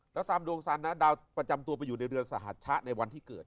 แล้วตามดวงสันนะดาวประจำตัวไปอยู่ในเรือนสหัสชะในวันที่เกิด